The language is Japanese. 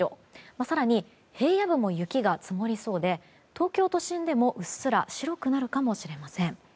更に平野部も雪が積もりそうで東京都心でもうっすら白くなるかもしれません。